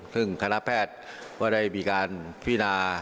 ซึ่งคณะแพทย์ก็ได้มีการพินา